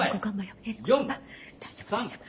大丈夫大丈夫。